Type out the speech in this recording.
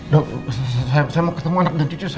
dok saya mau ketemu anak dan cucu saya